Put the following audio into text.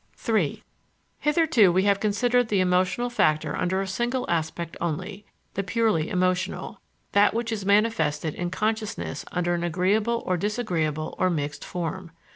III Hitherto we have considered the emotional factor under a single aspect only the purely emotional that which is manifested in consciousness under an agreeable or disagreeable or mixed form.